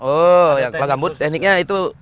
oh ya kalau gambut tekniknya itu